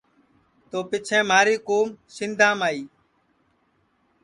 تو پیچھیں مہاری کُوم سندھام آئی اٹھے موچیا کا کام کوئی سوچی کُوم کرتی تی